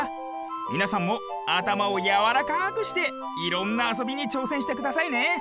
みなさんもあたまをやわらかくしていろんなあそびにちょうせんしてくださいね。